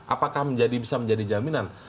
apakah bisa menjadi jaminan